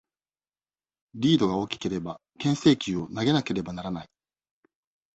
リードが大きければ、牽制球を投げなければならない。